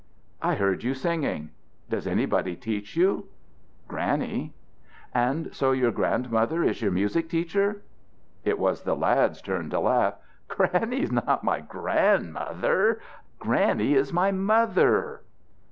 "I heard you singing. Does anybody teach you?" "Granny." "And so your grandmother is your music teacher?" It was the lad's turn to laugh. "Granny isn't my grandmother; Granny is my mother."